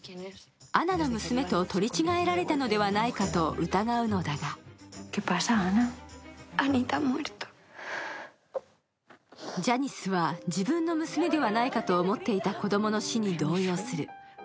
アナの娘と取り違えられたのではないかと疑うのだがジャニスは自分の娘ではないかと思っていた子供の死に動揺する。